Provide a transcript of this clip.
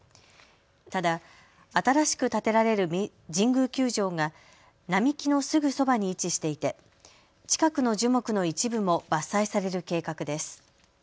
ただ新しく建てられる神宮球場が並木のすぐそばに位置していて近くの樹木の一部も伐採される計画です。